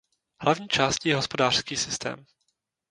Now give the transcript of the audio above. Hlavní částí je hospodářský systém.